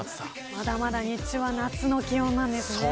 まだまだ日中は夏の気温なんですね。